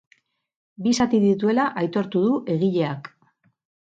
Bi zati dituela aitortu du egileak.